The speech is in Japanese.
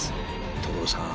所さん！